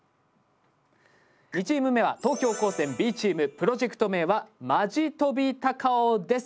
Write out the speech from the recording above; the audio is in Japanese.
２チーム目は東京高専Ｂチームプロジェクト名は「Ｍｔ．高尾」です。